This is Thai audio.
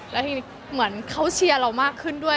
แล้วทีนี้เหมือนเขาเชียร์เรามากขึ้นด้วย